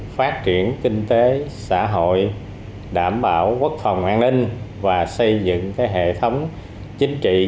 phát triển kinh tế xã hội đảm bảo quốc phòng an ninh và xây dựng hệ thống chính trị